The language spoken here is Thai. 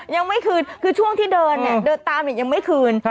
ยังไม่คืนคือช่วงที่เดินเนี่ยเดินตามเนี่ยยังไม่คืน